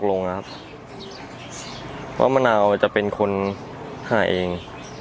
ลงนะครับว่ามะนาวจะเป็นคนหาเอง